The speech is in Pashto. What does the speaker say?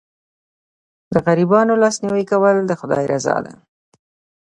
د غریبانو لاسنیوی کول د خدای رضا ده.